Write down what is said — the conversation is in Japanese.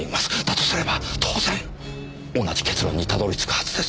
だとすれば当然同じ結論にたどり着くはずです。